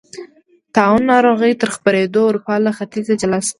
طاعون ناروغۍ تر خپرېدو اروپا له ختیځې جلا شوه.